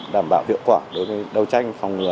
đảm bảo hiệu quả đối với đấu tranh phòng ngừa